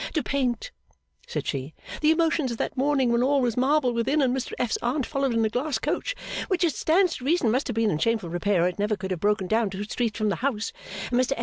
'To paint,' said she, 'the emotions of that morning when all was marble within and Mr F.'s Aunt followed in a glass coach which it stands to reason must have been in shameful repair or it never could have broken down two streets from the house and Mr F.